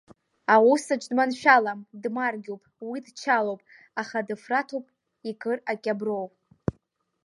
Аусаҿ дманшәалам, дмаргьуп, уи дчалоуп, аха дыфраҭуп икыр акьаброу.